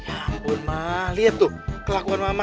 ya ampun ma lihat tuh kelakuan mama